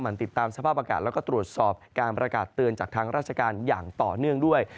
มันติดตามสภาพอากาศแล้วก็ตรวจสอบการประกาศเตือนจากทางราชการอย่างต่อเนื่องด้วย